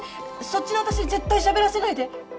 そっちの私に絶対しゃべらせないで。